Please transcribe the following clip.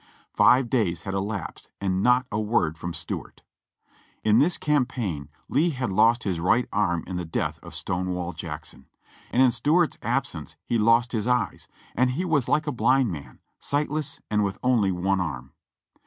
Five days had elapsed and not a word from Stuart ! In this campaign Lee had lost his right arm in the death of Stonewall Jackson ; and in Stuart's absence he lost his eyes, and he was like a blind man — sightless and with only one arm.